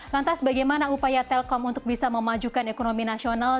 lantas bagaimana upaya telkom untuk bisa memajukan ekonomi nasional